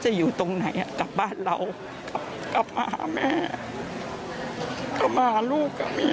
จะอยู่ตรงไหนกลับบ้านเรากลับมาหาแม่กลับมาหาลูกกับเมีย